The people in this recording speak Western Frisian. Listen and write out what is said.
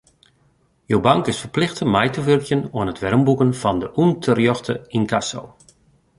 Jo bank is ferplichte mei te wurkjen oan it weromboeken fan de ûnterjochte ynkasso.